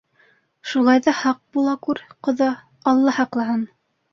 Шулай ҙа һаҡ була күр, ҡоҙа, алла һаҡлаһын.